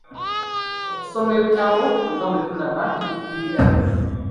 Kusoma bitabo nga bwe tulaba ebiddirira.